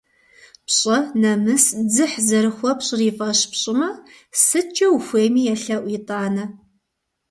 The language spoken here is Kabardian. Пщӏэ, нэмыс, дзыхь зэрыхуэпщӏыр и фӏэщ пщӏымэ, сыткӏэ ухуейми елъэӏу итӏанэ.